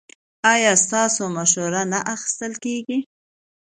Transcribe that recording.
ایا ستاسو مشوره نه اخیستل کیږي؟